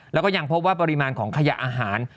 แล้วก็ยังพบว่าปริมาณของขยะอาหาร